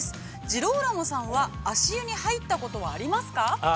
ジローラモさんは、足湯に入ったことはありますか。